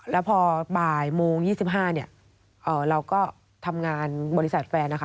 แล้วพอบ่ายโมง๒๕เนี่ยเราก็ทำงานบริษัทแฟนนะคะ